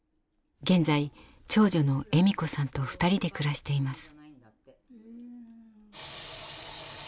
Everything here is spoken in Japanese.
現在長女の絵美子さんと２人で暮らしています。